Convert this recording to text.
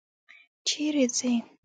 چیري ځې؟